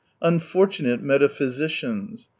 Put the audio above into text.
Unfortunate metaphysicians